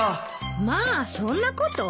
まあそんなことを？